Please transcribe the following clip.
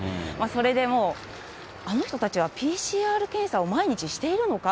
それでもう、あの人たちはＰＣＲ検査を毎日しているのか？